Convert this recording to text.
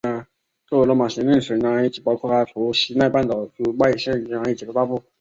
作为罗马行省的埃及包括了除西奈半岛之外现今埃及的大部。